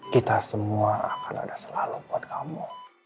kita semua akan ada selalu buat kamu